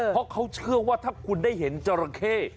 เพราะเขาเชื่อว่าถ้าคุณได้เห็นจราเข้